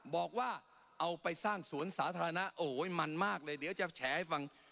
บอกว่าเอาไปสร้างสวนสาธารณะโอ้ยมันมากเลยเดี๋ยวจะแฉให้ฟัง